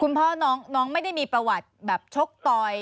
พ่อน้องไม่ได้มีประวัติแบบชกต่อย